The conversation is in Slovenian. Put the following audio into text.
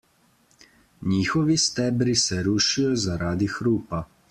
Njihovi stebri se rušijo zaradi hrupa.